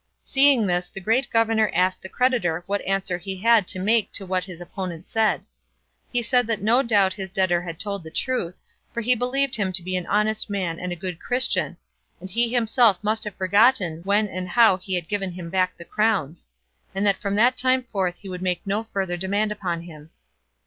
Seeing this the great governor asked the creditor what answer he had to make to what his opponent said. He said that no doubt his debtor had told the truth, for he believed him to be an honest man and a good Christian, and he himself must have forgotten when and how he had given him back the crowns; and that from that time forth he would make no further demand upon him.